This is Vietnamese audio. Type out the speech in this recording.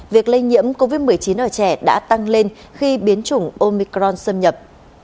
việc lây nhiễm covid một mươi chín ở trẻ đã tăng lên khi biến chủng omicron xâm nhập